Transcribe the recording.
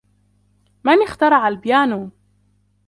من اخترع البيانو ؟